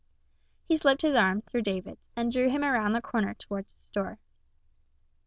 He slipped his arm through David's, and drew him around the corner toward his store.